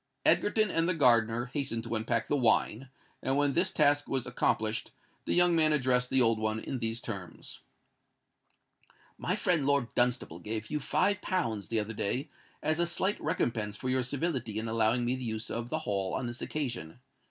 Egerton and the gardener hastened to unpack the wine; and when this task was accomplished, the young man addressed the old one in these terms:— "My friend Lord Dunstable gave you five pounds the other day as a slight recompense for your civility in allowing me the use of the Hall on this occasion.